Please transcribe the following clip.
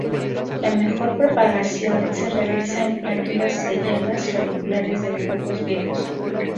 La mejor propagación se realiza con plántulas de yemas radiculares de bejucos viejos.